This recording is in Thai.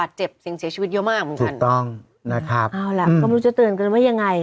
เสียชีวิตเยอะมากถูกต้องนะครับเอาละแล้วเราจะเตือนกันไหมยังไง